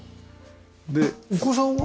でお子さんは？